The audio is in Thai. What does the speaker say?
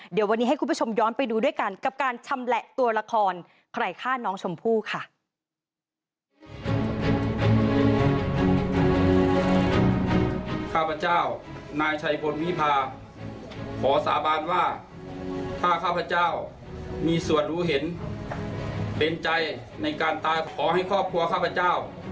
เดี๋ยววันนี้ให้คุณผู้ชมย้อนไปดูด้วยกันกับการชำแหละตัวละครใครฆ่าน้องชมพู่ค่ะ